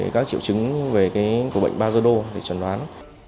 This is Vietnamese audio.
các triệu chứng về cái của bệnh bajedo thì chuẩn đoán